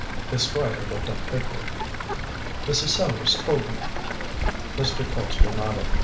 The Squire looked up quickly. "Mrs. Sellars told me." Mr. Colpster nodded.